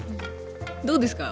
どうですか？